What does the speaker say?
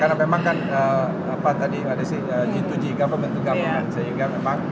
karena memang kan tadi ada sih g dua g pembentukan pembentukan